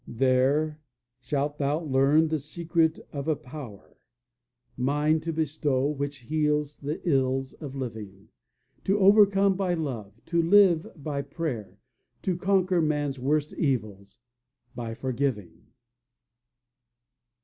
"There shalt thou learn the secret of a power, Mine to bestow, which heals the ills of living; To overcome by love, to live by prayer, To conquer man's worst evils by forgiving."